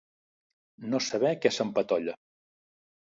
No saber què s'empatolla.